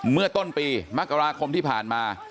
เมื่อต้นปีมกราคมที่ผ่านมา